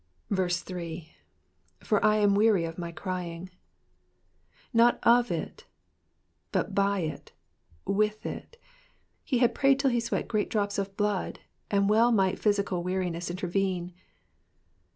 3. / am weary of my crying^ Not of it, but by it, with it. He had prayed till he sweat great drops of blood, and well might physical weariness intervene.